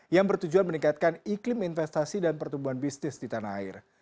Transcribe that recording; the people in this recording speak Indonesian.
yang bertujuan meningkatkan iklim investasi dan pertumbuhan bisnis di tanah air